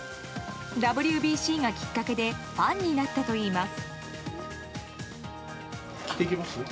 ＷＢＣがきっかけでファンになったといいます。